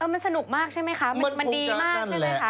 มันสนุกมากใช่ไหมคะมันดีมากใช่ไหมคะ